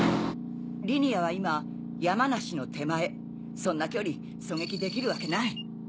リニアは今山梨の手前そんな距離狙撃できるわけない。